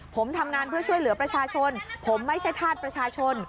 ผมทำงานเพื่อช่วยเหลือประชาชนผมไม่ใช่ธาตุประชาชน